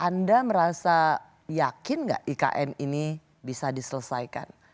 anda merasa yakin nggak ikn ini bisa diselesaikan